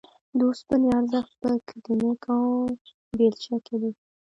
د اوسپنې ارزښت په کلنګ او بېلچه کې دی